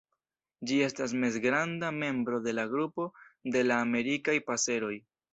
Ĝi estas mezgranda membro de la grupo de la Amerikaj paseroj.